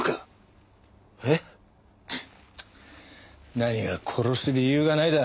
何が「殺す理由がない」だ。